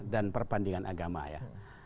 dan perbandingan agama ya